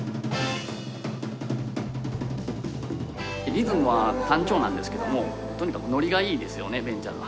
リズムは単調なんですけどもとにかくノリがいいですよねベンチャーズ。